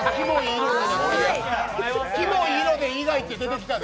キモイ色で以外って出てきたで。